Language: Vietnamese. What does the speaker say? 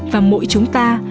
và mỗi chúng ta